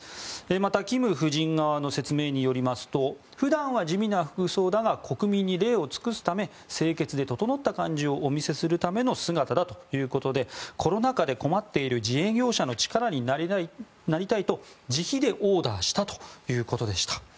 また、キム夫人側の説明によりますと普段は地味な服装だが国民に礼を尽くすため清潔で整った感じをお見せするための姿だということでコロナ禍で困っている自営業者の力になりたいと自費でオーダーしたということでした。